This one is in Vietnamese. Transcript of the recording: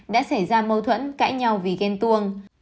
đã xảy ra mâu thuẫn cãi nhau vì ghen tuông